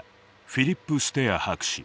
フィリップ・ステア博士。